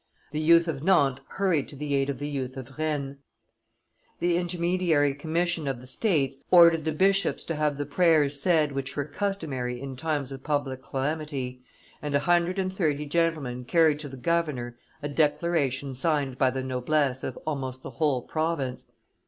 The youth of Nantes hurried to the aid of the youth of Rennes. The intermediary commission of the states ordered the bishops to have the prayers said which were customary in times of public calamity, and a hundred and thirty gentlemen carried to the governor a declaration signed by the noblesse of almost the whole province.